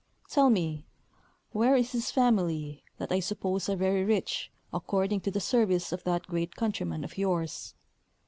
Tell me, where is his family, that I suppose are very rich, according to the service of that great countryman of yours?